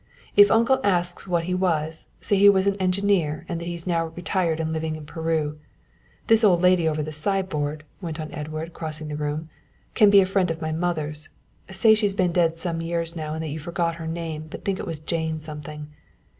If uncle asks what he was, say he was an engineer and that he's now retired and living in Peru. This old lady over the sideboard," went on Edward, crossing the room, "can be a friend of my mother's; say she's been dead some years now and that you forget her name but think it was Jane something.